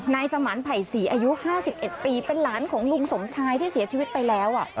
สมันไผ่ศรีอายุ๕๑ปีเป็นหลานของลุงสมชายที่เสียชีวิตไปแล้ว